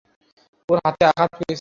ওর হাতে আঘাত পেয়েছে।